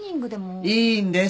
いいんです！